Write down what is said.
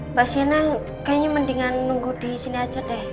mbak sina kayaknya mendingan nunggu di sini aja deh